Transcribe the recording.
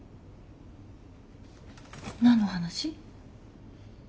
何の話？